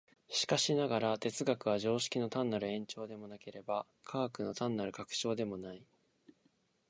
しかしながら、哲学は常識の単なる延長でもなければ、科学の単なる拡張でもない。